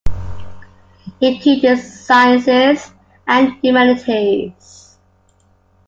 It teaches sciences and humanities.